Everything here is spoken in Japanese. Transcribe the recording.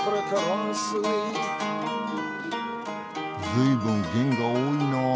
ずいぶん弦が多いなあ。